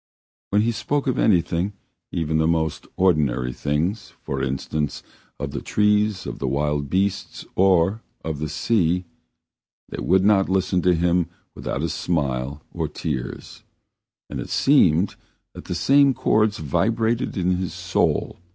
When he spoke of anything, even of the most ordinary things for instance of the trees, of the wild beasts, or of the sea they could not listen to him without a smile or tears, and it seemed that the same chords vibrated in his soul as in the organ.